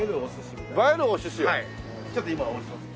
ちょっと今お持ちします。